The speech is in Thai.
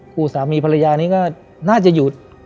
คู่สามีภรรยานี้ก็น่าจะหยุด